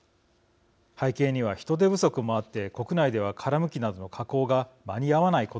背景には人手不足もあって国内では殻むきなどの加工が間に合わないことがあります。